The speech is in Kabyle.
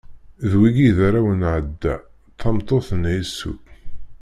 D wigi i d arraw n Ɛada, tameṭṭut n Ɛisu.